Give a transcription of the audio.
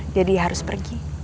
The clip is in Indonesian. jadi harus pergi